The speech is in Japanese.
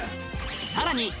さらにお！